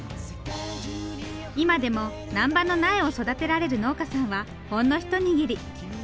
今でもナンバの苗を育てられる農家さんはほんの一握り。